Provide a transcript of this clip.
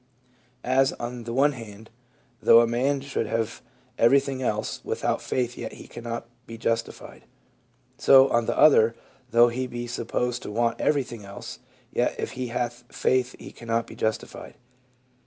As, on the one hand, though a man should have everything else, without faith yet he cannot be justi fied ; so, on the other, though he be supposed to want every thing else, yet if he hath faith he cannot but be justified."